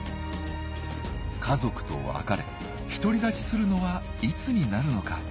家族と別れ独り立ちするのはいつになるのか。